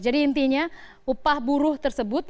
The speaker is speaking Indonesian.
jadi intinya upah buruh tersebut